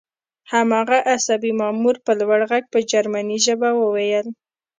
هماغه عصبي مامور په لوړ غږ په جرمني ژبه وویل